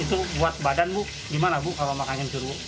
itu buat badan bu gimana bu kalau makan yang curu